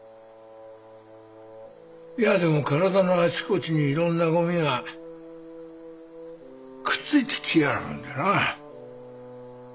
嫌でも体のあちこちにいろんなゴミがくっついてきやがるんでな。